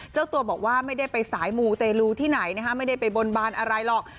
เจ้าตัวบอกว่าไม่ได้ไปสายมูเตรลูที่ไหนนะคะไม่ได้ไปบนบานอะไรหรอก